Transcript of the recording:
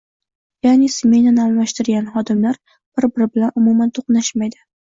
Ya'ni, smenani almashtirgan xodimlar bir -biri bilan umuman to'qnashmaydi